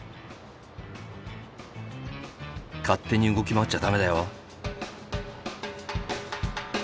勝手に動き回っちゃダメだよ。